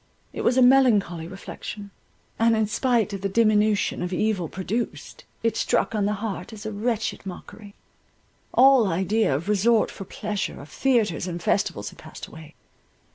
It was a melancholy reflection; and in spite of the diminution of evil produced, it struck on the heart as a wretched mockery. All idea of resort for pleasure, of theatres and festivals had passed away.